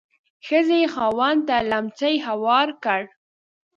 ښځې یې خاوند ته لیهمڅی هوار کړ.